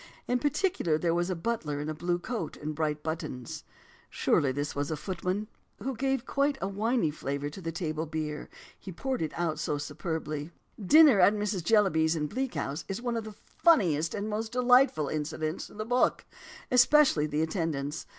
In particular there was a butler in a blue coat and bright buttons" [surely this was a footman?] "who gave quite a winey flavour to the table beer, he poured it out so superbly." Dinner at Mrs. Jellyby's in Bleak House is one of the funniest and most delightful incidents in the book, especially the attendance.